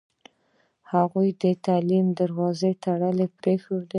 هغوی د تعلیم دروازې تړلې پرېښودې.